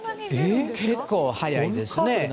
結構速いですね。